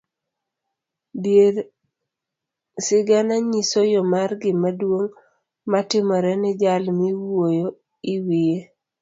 Dier sigana nyiso yoo mar gima duong' matimore ni jal miwuyo iwiye.